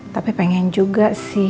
tapi pengen juga sih